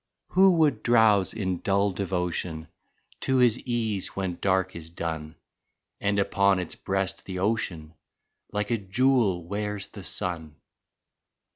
Who would drowze in dull devotion To his ease when dark is done. And upon its breast the ocean Like a jewel wears the sun?